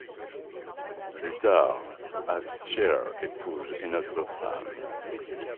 Plus tard, Abshier épouse une autre femme.